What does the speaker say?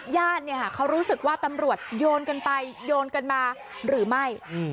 แย่นเนี่ยก็รู้สึกว่าตำรวจโยนกันไปโยนกันมาหรือไม่